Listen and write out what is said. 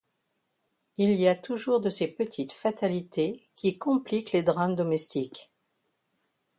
Il y a toujours de ces petites fatalités qui compliquent les drames domestiques.